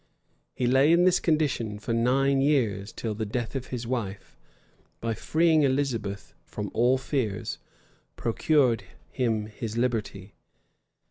He lay in this condition for nine years, till the death of his wife, by freeing Elizabeth from all fears, procured him his liberty.